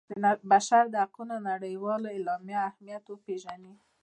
د بشر د حقونو نړیوالې اعلامیې اهمیت وپيژني.